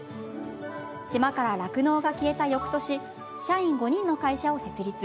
島から酪農が消えた、よくとし社員５人の会社を設立。